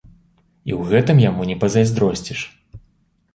І ў гэтым яму не пазайздросціш.